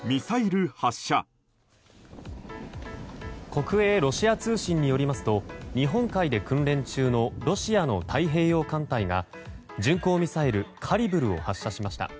国営ロシア通信によりますと日本海で訓練中のロシアの太平洋艦隊が巡航ミサイルカリブルを発射しました。